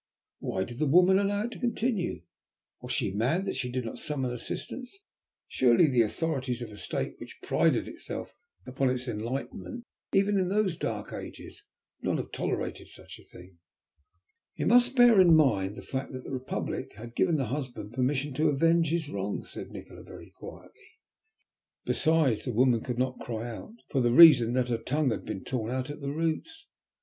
"Why did the woman allow it to continue? Was she mad that she did not summon assistance? Surely the Authorities of a State which prided itself upon its enlightenment, even in those dark ages, would not have tolerated such a thing?" "You must bear in mind the fact that the Republic had given the husband permission to avenge his wrongs," said Nikola very quietly. "Besides, the woman could not cry out for the reason that her tongue had been torn out at the roots.